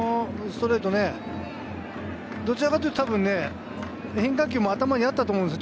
ストレート、どちらかというと変化球も頭にあったと思うんです。